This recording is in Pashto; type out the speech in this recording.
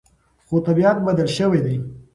خو طبیعت بدل شوی دی.